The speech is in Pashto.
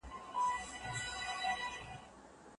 ایا د دې ټولو کارول سوو کلمو ماناوي په بشپړه توګه یو شان دي؟